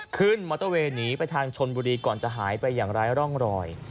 มอเตอร์เวย์หนีไปทางชนบุรีก่อนจะหายไปอย่างไร้ร่องรอย